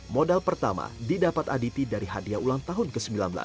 modal pertama didapat aditi dari hadiah ulang tahun ke sembilan belas